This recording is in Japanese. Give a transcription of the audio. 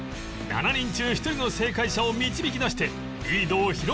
７人中１人の正解者を導き出してリードを広げたいところ